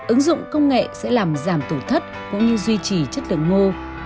ứng dụng công nghệ sẽ làm giảm tổ thất cũng như duy trì chất lượng ngô